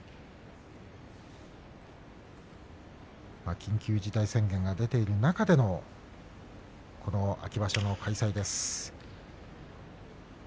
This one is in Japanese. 緊急事態宣言が出ている中での秋場所の開催です。